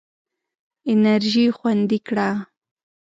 انرژي خوندي کړه.